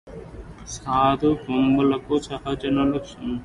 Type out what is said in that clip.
సాధుపుంగవులకు సహజలక్షణమిది